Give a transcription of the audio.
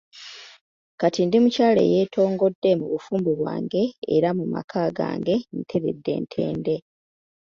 Kati ndi mukyala eyeetongodde mu bufumbo bwange era mu maka gange nteredde ntende.